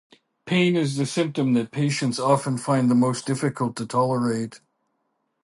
Pain is the symptom that patients often find the most difficult to tolerate.